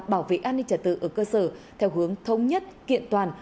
bảo vệ an ninh trả tự ở cơ sở theo hướng thống nhất kiện toàn